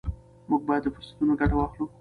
موږ باید له فرصتونو ګټه واخلو.